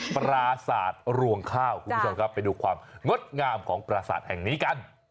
ปราศาสตร์รวงข้าวคุณผู้ชมครับไปดูความงดงามของปราศาสตร์แห่งนี้กัน